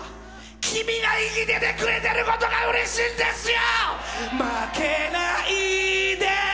君が生きててくれてることがうれしいんですよ！